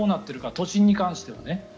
都心に関してはね。